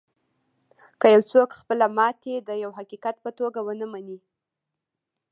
که یو څوک خپله ماتې د یوه حقیقت په توګه و نهمني